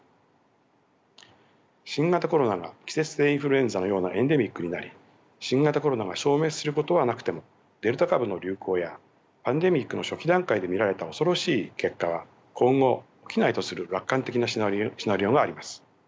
新型コロナが季節性インフルエンザのようなエンデミックになり新型コロナが消滅することはなくてもデルタ株の流行やパンデミックの初期段階で見られた恐ろしい結果は今後起きないとする楽観的なシナリオがあります。